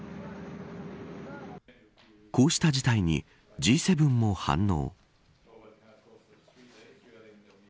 こうした事態に、Ｇ７も反応。